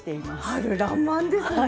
春らんまんですね！